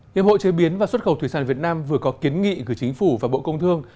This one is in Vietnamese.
hiệp hội chế biến và xuất khẩu thủy sản việt nam vừa có kiến nghị gửi chính phủ và bộ công thương